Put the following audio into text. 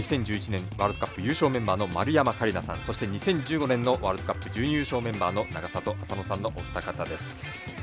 ワールドカップ優勝メンバー丸山桂里奈さんそして２０１５年のワールドカップ準優勝メンバーの永里亜紗乃さんのお二方です。